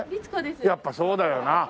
やっぱそうだよな。